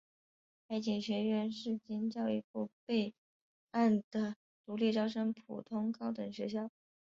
海警学院是经教育部备案的独立招生普通高等学校。